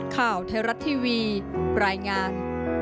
ข่าวไทยรัฐทีวีรายงาน